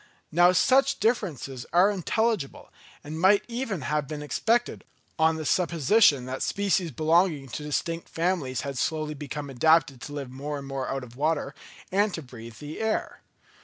Now such differences are intelligible, and might even have been expected, on the supposition that species belonging to distinct families had slowly become adapted to live more and more out of water, and to breathe the air.